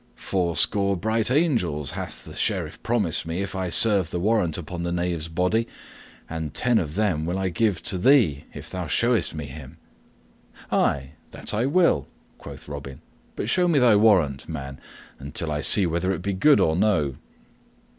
Fourscore bright angels hath the Sheriff promised me if I serve the warrant upon the knave's body, and ten of them will I give to thee if thou showest me him." "Ay, that will I," quoth Robin, "but show me thy warrant, man, until I see whether it be good or no."